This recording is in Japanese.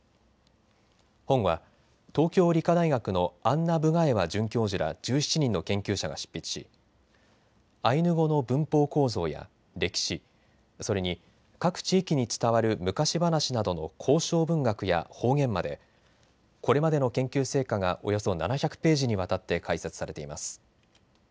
本は東京理科大学のアンナ・ブガエワ准教授ら１７人の研究者が執筆しアイヌ語の文法構造や歴史、それに各地域に伝わる昔話などの口承文学や方言までこれまでの研究成果がおよそ７００ページにわたって解説されています。